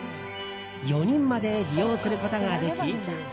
４人まで利用することができ。